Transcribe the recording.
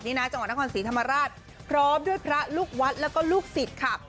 นี่นะจังหวัดนครศรีธรรมราชพร้อมด้วยพระลูกวัดแล้วก็ลูกศิษย์ค่ะ